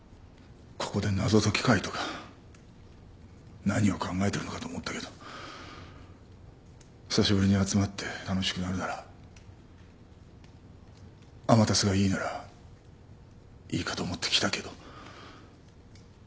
ここで謎解き会とか何を考えてるのかと思ったけど久しぶりに集まって楽しくなるなら天達がいいならいいかと思って来たけど。